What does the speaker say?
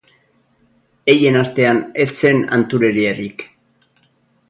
Heien artean ez zen hantureriarik.